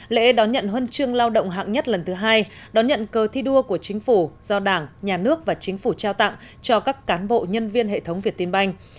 lễ đón nhận huân chương lao động hạng nhất lần thứ hai đón nhận cơ thi đua của chính phủ do đảng nhà nước và chính phủ trao tặng cho các cán bộ nhân viên hệ thống việt tiên banh